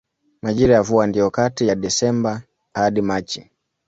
Majira ya mvua ndiyo kati ya Desemba hadi Machi.